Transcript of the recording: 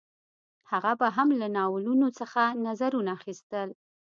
هغه به هم له ناولونو څخه نظرونه اخیستل